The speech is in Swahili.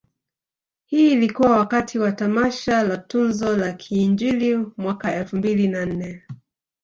Hii ilikuwa wakati wa tamasha la tuzo za kiinjili mwaka elfu mbili na nne